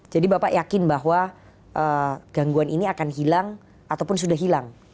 bapak yakin bahwa gangguan ini akan hilang ataupun sudah hilang